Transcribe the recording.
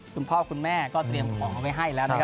คุณพ่อคุณแม่ก็เตรียมของเอาไว้ให้แล้วนะครับ